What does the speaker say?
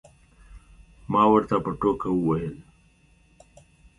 ما ورته په ټوکه وویل.